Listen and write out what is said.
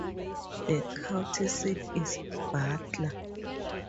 The county seat is Butler.